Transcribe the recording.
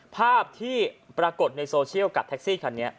ภาพที่ปรากฏในโซเชียลกับแท็กซี่คันนี้